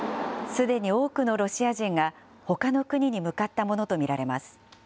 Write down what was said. すでに多くのロシア人が、ほかの国に向かったものと見られます。